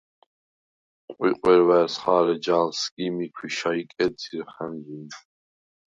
ყვიყვ ჲესვა̄̈̈ჲ ხა̄რ, ეჯა ალ სგიმი ქვიშა იკედ ძირხა̈ნჟი̄ნ.